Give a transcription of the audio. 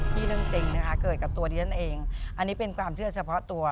เรื่องจริงนะคะเกิดกับตัวดิฉันเองอันนี้เป็นความเชื่อเฉพาะตัว